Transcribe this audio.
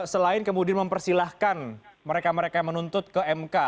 selain kemudian mempersilahkan mereka mereka yang menuntut ke mk